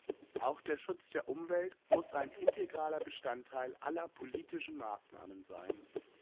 Auch der Schutz der Umwelt muss ein integraler Bestandteil aller politischen Maßnahmen sein.